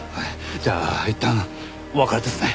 じゃあいったんお別れですね。